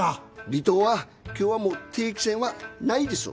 離島は今日はもう定期船はないです。